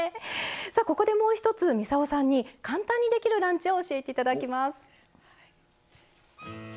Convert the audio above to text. さあここでもう一つ操さんに簡単にできるランチを教えていただきます。